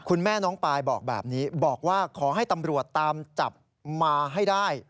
คุณแม่น้องปายบอกแบบนี้บอกว่าขอให้ตำรวจตามจับมาให้ได้